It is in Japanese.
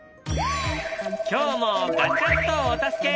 今日もガチャっとお助け！